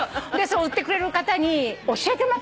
売ってくれる方に教えてもらって打ち方も。